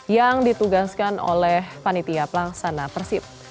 yang ditugaskan oleh panitia pelaksana persib